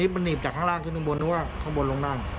มันหนีบจากข้างล่างขึ้นข้างบนนึกว่าข้างบนลงนั่ง